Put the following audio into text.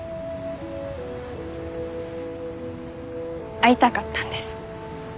会いたかったんです。